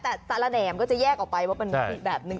แต่สารแหน่มก็จะแยกออกไปว่ามันอีกแบบนึง